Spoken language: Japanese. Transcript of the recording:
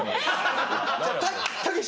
たけし。